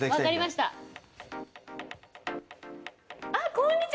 こんにち。